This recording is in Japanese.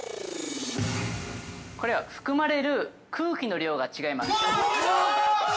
◆これは含まれる空気の量が違います。